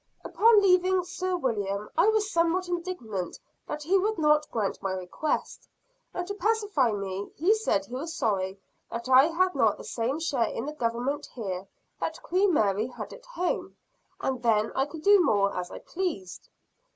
"Upon leaving Sir William, I was somewhat indignant that he would not grant my request. And to pacify me, he said he was sorry that I had not the same share in the government here, that Queen Mary had at home and then I could do more as I pleased."